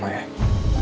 gak ada nama ya